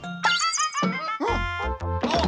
あっ！？